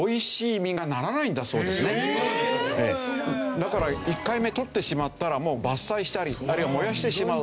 だから１回目とってしまったらもう伐採したりあるいは燃やしてしまう。